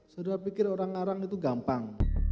saudara pikir orang ngarang itu gampang